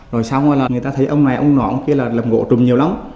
rồi xong rồi là người ta thấy ông này ông nọ ông kia là làm gỗ trùm nhiều lắm